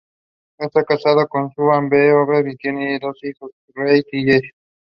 He made his professional debut with the Hudson Valley Renegades.